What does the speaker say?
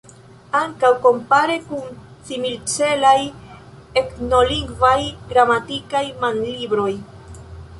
Ankaŭ kompare kun similcelaj etnolingvaj gramatikaj manlibroj.